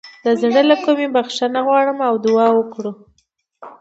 د زړه له کومې بخښنه وغواړو او دعا وکړو.